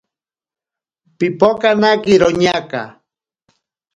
Pipokanake iroñaka.